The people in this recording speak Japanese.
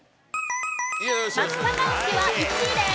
松阪牛は１位です。